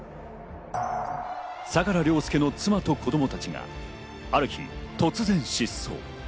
相良凌介の妻と子供たちがある日、突然失踪。